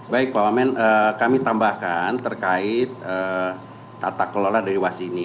baik pak wamen kami tambahkan terkait tata kelola dari wasi ini